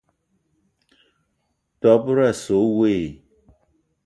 Dob-ro asse we i?